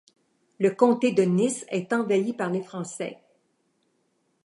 Le comté de Nice est envahi par les Français.